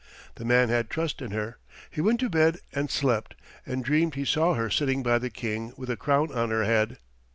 The man had trust in her. He went to bed and slept and dreamed he saw her sitting by the King with a crown on her head.